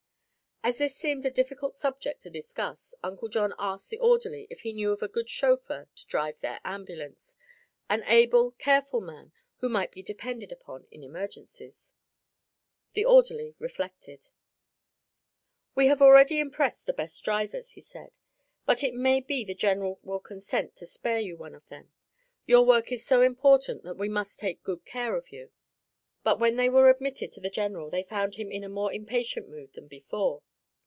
As this seemed a difficult subject to discuss, Uncle John asked the orderly if he knew of a good chauffeur to drive their ambulance an able, careful man who might be depended upon in emergencies. The orderly reflected. "We have already impressed the best drivers," he said, "but it may be the general will consent to spare you one of them. Your work is so important that we must take good care of you." But when they were admitted to the general they found him in a more impatient mood than before.